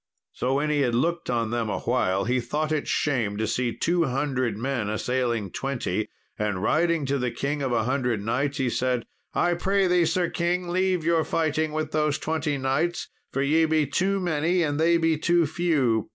So, when he had looked on them awhile, he thought it shame to see two hundred men assailing twenty, and riding to the King of a Hundred Knights, he said, "I pray thee, Sir king, leave your fighting with those twenty knights, for ye be too many and they be too few.